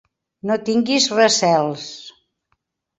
No tinguis recels.